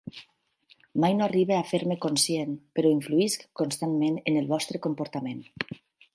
Mai no arribe a fer-me conscient, però influïsc constantment en el vostre comportament.